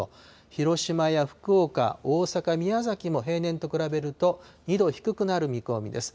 広島や福岡、大阪、宮崎も平年と比べると、２度低くなる見込みです。